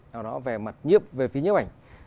nào đó về mặt nhiếp về phía nhiếp ảnh